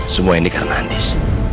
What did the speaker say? semua ini karena andis